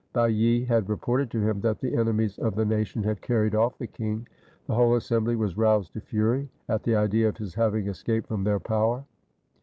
Bailly had reported to him that the enemies of the nation had carried off the king. The whole assem bly was roused to fury at the idea of his having escaped from their power.